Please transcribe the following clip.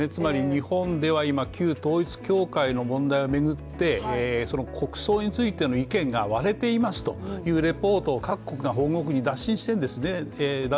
日本では今旧統一教会の問題を巡って国葬についての意見が割れていますというリポートを各国が本国に打電しているんですね。